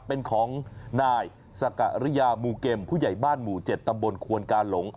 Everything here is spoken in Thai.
เป็นของนายสกริยามูเกมผู้ใหญ่บ้านหมู่๗ตำบลควนกาหลง